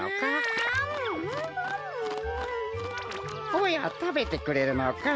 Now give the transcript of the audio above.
おやたべてくれるのかい？